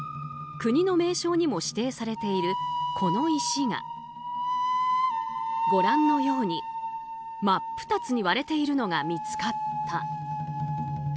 国の名勝にも指定されているこの石がご覧のように、真っ二つに割れているのが見つかった。